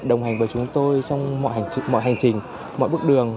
đồng hành với chúng tôi trong mọi hành trình mọi bước đường